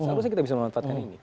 seharusnya kita bisa memanfaatkan ini